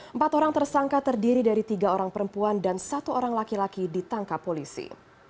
empat orang tersangka terdiri dari tiga orang perempuan dan satu orang laki laki ditangkap polisi